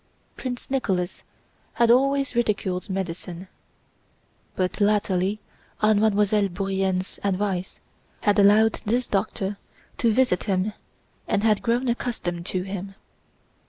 Prince Nicholas had always ridiculed medicine, but latterly on Mademoiselle Bourienne's advice had allowed this doctor to visit him and had grown accustomed to him.